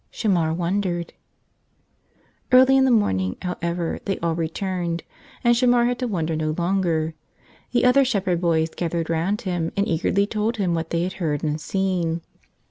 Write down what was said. Shamar wondered. Early in the morning, however, they all returned, and Shamar had to wonder no longer. The other shep¬ herd boys gathered round him and eagerly told him what they had heard and seen.